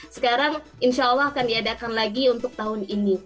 sekarang insya allah akan diadakan lagi untuk tahun ini